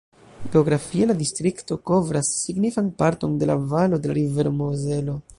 Geografie la distrikto kovras signifan parton de la valo de la rivero Mozelo.